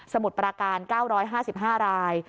มุดปราการ๙๕๕ราย